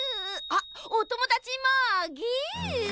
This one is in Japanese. あっおともだちもぎゅっ！